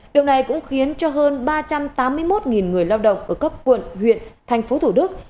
điều này cũng khiến cho hơn ba trăm tám mươi một người lao động ở các quận huyện thành phố thủ đức